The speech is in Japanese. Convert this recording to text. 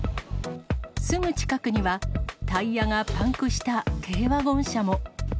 すぐ近くには、タイヤがパンクした軽ワゴン車も。